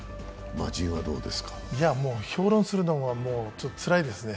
もう評論するのもつらいですね。